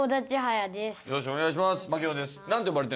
よろしくお願いします槙野です